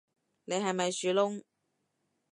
你係咪樹窿